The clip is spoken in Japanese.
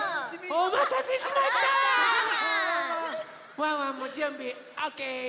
ワンワンもじゅんびオッケー！